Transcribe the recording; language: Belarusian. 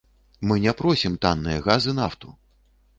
Мы не просім танныя газ і нафту.